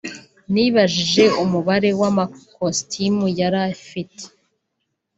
nibajije umubare w’amakositimu yari afite